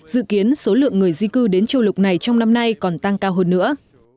dự kiến số lượng người di cư đến châu lục này trong năm nay còn tăng cao hơn nữa